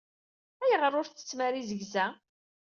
Ayɣeṛ ur tsettttem ara izegza?